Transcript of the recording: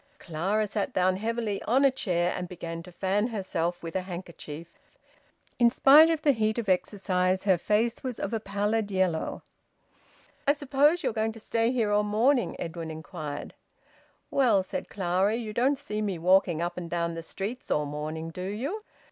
Clara sat down heavily on a chair, and began to fan herself with a handkerchief. In spite of the heat of exercise her face was of a pallid yellow. "I suppose you're going to stay here all morning?" Edwin inquired. "Well," said Clara, "you don't see me walking up and down the streets all morning, do you?